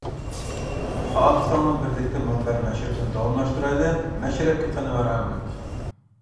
خالىساڭلار بىرلىكتە مۇنبەر مەشرىپىنى داۋاملاشتۇرايلى! مەشرەپكە قىنى مەرھەمەت!